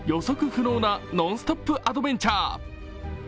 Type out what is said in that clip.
不能なノンストップ・アドベンチャー。